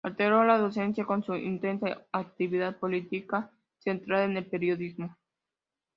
Alternó la docencia con una intensa actividad política centrada en el periodismo.